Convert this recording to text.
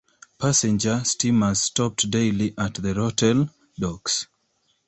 Passenger steamers stopped daily at the hotel docks.